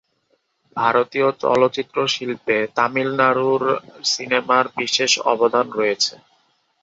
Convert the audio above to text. ভারতের চলচ্চিত্র শিল্পে তামিলনাড়ুর সিনেমার বিশেষ অবদান রয়েছে।